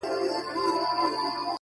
o سردونو ویښ نه کړای سو،